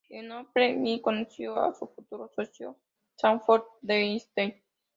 En Oppenheimer, conoció a su futuro socio, Sanford Bernstein.